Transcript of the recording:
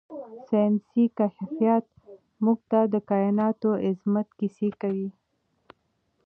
ساینسي کشفیات موږ ته د کائناتو د عظمت کیسې کوي.